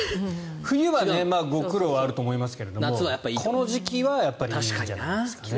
冬はご苦労があると思いますがこの時期はやっぱりいいんじゃないかなと。